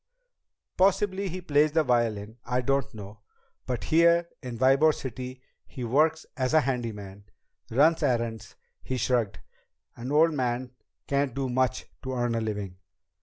"Possibly he plays the violin. I don't know. But here in Ybor City he works as a handyman. Runs errands." He shrugged. "An old man can't do much to earn a living."